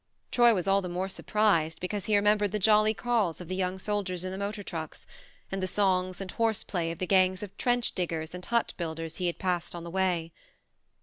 Troy was all the more surprised because he remembered the jolly calls of the young soldiers in the motor trucks, and the songs and horse play of the gangs of trench diggers and hut builders he had passed on the way.